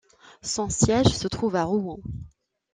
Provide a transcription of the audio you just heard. Son siège se trouve à Rouen.